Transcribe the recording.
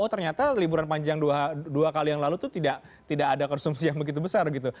oh ternyata liburan panjang dua kali yang lalu itu tidak ada konsumsi yang begitu besar gitu